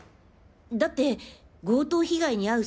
だって強盗被害に遭う